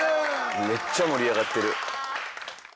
めっちゃ盛り上がってる。